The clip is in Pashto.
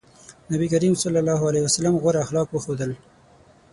نبي کريم ص غوره اخلاق وښودل.